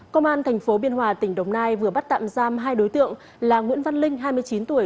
công an tp biên hòa tỉnh đồng nai vừa bắt tạm giam hai đối tượng là nguyễn văn linh hai mươi chín tuổi